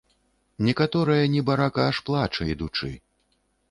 Некаторая, небарака, аж плача ідучы.